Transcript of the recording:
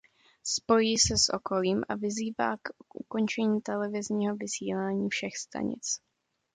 Spojí se s okolím a vyzývá k ukončení televizního vysílání všech stanic.